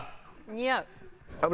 似合う！